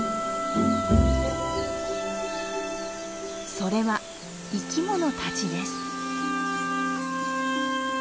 それは生き物たちです。